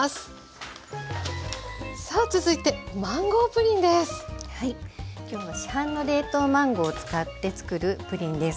さあ続いて今日は市販の冷凍マンゴーを使ってつくるプリンです。